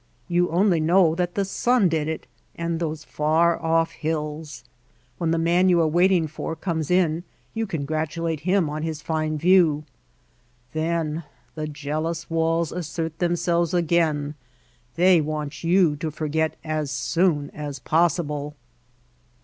You only know that the sun did it, and those far off hills. When the man you are waiting for comes in you con gratulate him on his fine view. Then the jealous walls assert themselves again ; they want you to forget as soon as possible.